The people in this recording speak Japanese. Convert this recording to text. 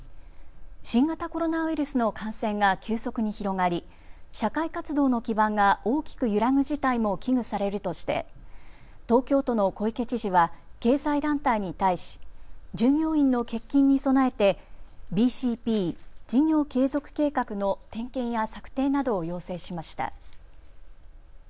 新型コロナウイルスの感染が急速に広がり社会活動の基盤が大きく揺らぐ事態も危惧されるとして東京都の小池知事は経済団体に対し、従業員の欠勤に備えてＢＣＰ・事業継続計画の点検や策定などを要請しました。